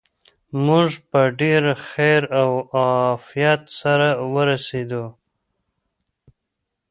موږ په ډېر خیر او عافیت سره ورسېدو.